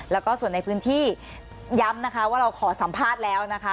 แล้วก็ส่วนในพื้นที่ย้ำนะคะว่าเราขอสัมภาษณ์แล้วนะคะ